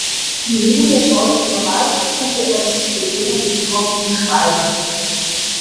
Neben der Schauspielerei widmete er sich gelegentlich auch dem Schreiben.